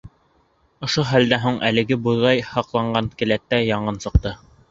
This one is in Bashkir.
Ошо хәлдән һуң әлеге бойҙай һаҡланған келәттә янғын сыҡты.